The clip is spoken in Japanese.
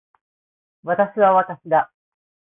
私は私だ